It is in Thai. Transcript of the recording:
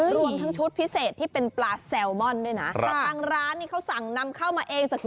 รวมทั้งชุดพิเศษที่เป็นปลาแซลมอนด้วยนะครับทางร้านนี่เขาสั่งนำเข้ามาเองจาก